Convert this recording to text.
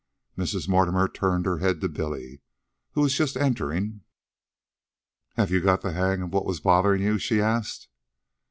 Mrs. Mortimer turned her head to Billy, who was just entering. "Have you got the hang of what was bothering you?" she asked.